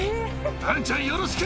あんちゃんよろしく。